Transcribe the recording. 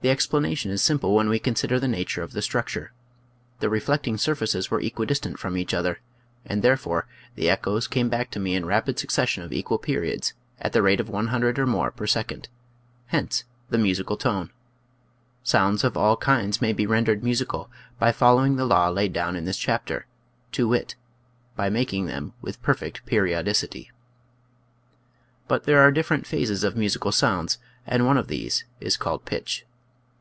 The explanation is simple when we consider the nature of the structure. The reflecting sur faces were equidistant from each other, and therefore the echoes came back to me in rapid succession of equal periods, at the rate of 100 or more per second. Hence the musical tone. Sounds of all kinds may be rendered musi cal by following the law laid down in this chapter, to wit: By making them with per fect periodicity. But there are different phases of musical sounds, and one of these is called pitch.